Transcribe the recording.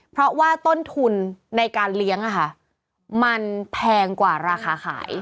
เพราะว่าต้นทุนในการเลี้ยงมันแพงกว่าราคาขาย